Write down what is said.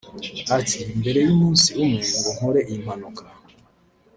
Ati “Mbere y’umunsi umwe ngo nkore iyi mpanuka